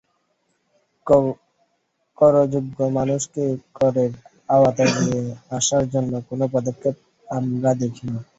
করযোগ্য মানুষকে করের আওতায় নিয়ে আসার জন্য কোনো পদক্ষেপ আমরা দেখি না।